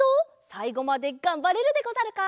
さいごまでがんばれるでござるか？